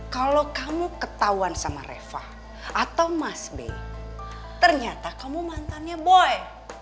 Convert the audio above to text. kalau kamu ketahuan sama reva atau mas b ternyata kamu mantannya boy